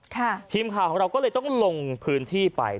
ทีมข่าวของเราก็เลยต้องลงพื้นที่ไป